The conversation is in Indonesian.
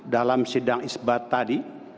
dalam sidang isbat tadi